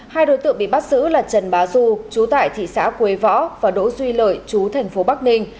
hai đối tượng bị bắt giữ là trần bá du chú tại thị xã quế võ và đỗ duy lợi chú thành phố bắc ninh